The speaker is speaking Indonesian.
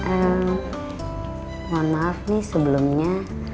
eh mohon maaf nih sebelumnya